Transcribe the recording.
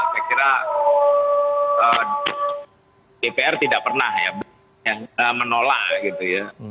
saya kira dpr tidak pernah ya menolak gitu ya